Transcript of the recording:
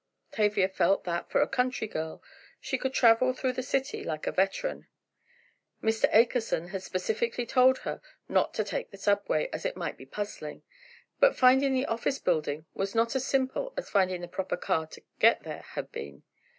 Tavia felt that, for a country girl, she could travel through the city like a veteran. Mr. Akerson had specifically told her not to take the subway, as it might be puzzling, but, finding the office building was not as simple as finding the proper car to get there had been.